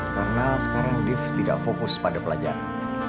karena sekarang div tidak fokus pada pelajaran